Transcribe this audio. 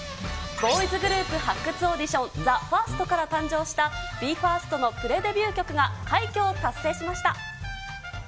ボーイズグループ発掘オーディション、ＴＨＥＦＩＲＳＴから誕生したＢＥ：ＦＩＲＳＴのプレデビュー曲が快挙を達成しました。